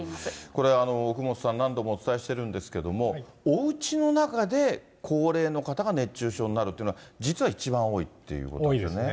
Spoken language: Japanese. これ奥元さん、何度もお伝えしているんですけれども、おうちの中で高齢の方が熱中症になるというのは、実は一番多いということなんですね。